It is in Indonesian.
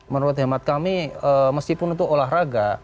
menurut hemat kami meskipun itu olahraga